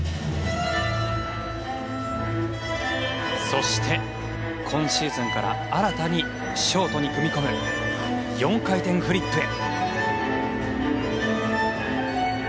そして今シーズンから新たにショートに組み込む４回転フリップへ。